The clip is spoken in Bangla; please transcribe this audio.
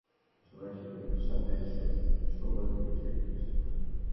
রোকেয়ার চিৎকারে বাড়ির লোকজন সবাই ছুটে এসে সাপের ছোবলের বিষয়টি নিশ্চিত হয়।